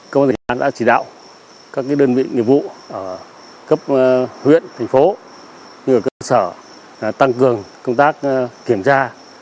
công an sơn la đã chỉ đạo các đơn vị nghiệp vụ ở cấp huyện thành phố cơ sở tăng cường công tác kiểm tra